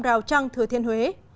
rào trăng thừa thiên huế